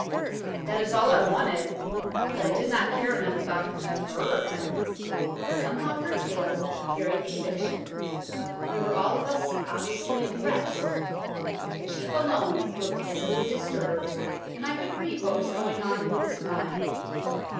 That is all I wanted, but I did not care enough about him to murder him." Somehow her tale carried conviction. We were all of us obviously impressed. The chief alone looked visibly disturbed, and I could read what was going on in his mind.